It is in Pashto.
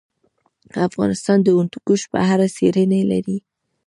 افغانستان د هندوکش په اړه څېړنې لري.